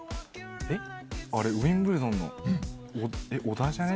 えっ、あれ、ウィンブルドンの小田じゃね？